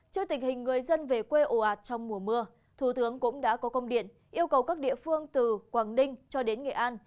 trước tình hình người dân về quê ồ ạt trong mùa mưa thủ tướng cũng đã có công điện yêu cầu các địa phương từ quảng ninh cho đến nghệ an